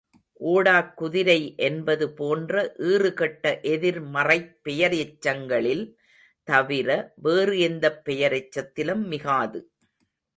ஓடாக் குதிரை என்பது போன்ற ஈறுகெட்ட எதிர் மறைப் பெயரெச்சங்களில் தவிர, வேறு எந்தப் பெயரெச்சத்திலும் மிகாது.